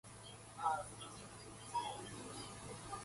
Custom Made was then shipped to England.